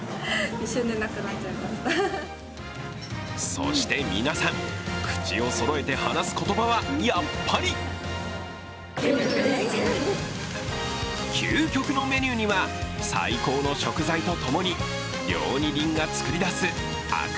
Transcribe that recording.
そして皆さん、口をそろえて話す言葉はやっぱり究極のメニューには最高の食材とともに料理人が作り出す飽く